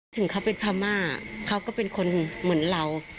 ถึงเขาเป็นพม่าเขาก็เป็นคนเหมือนเรา